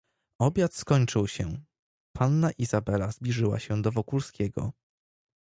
"Obiad skończył się, panna Izabela zbliżyła się do Wokulskiego."